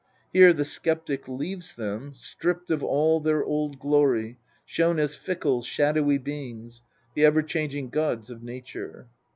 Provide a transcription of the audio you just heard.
Here the sceptic leaves them, stripped of all their old glory, shown as fickle, shadowy beings the ever changing gods of nature.